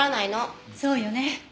そうよね。